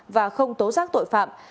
và không tố giác tội phạm